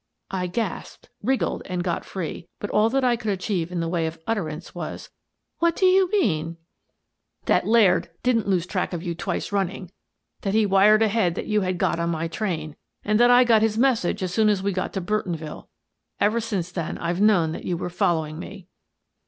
I gasped, wriggled, and got free, but all that I could achieve in the way of utterance was: " What do you mean ?"" That Laird didn't lose track of you twice run ning, that he wired ahead that you had got on my train, and that I got his message as soon as we got to Burtonville. Ever since then I've known that you were following me."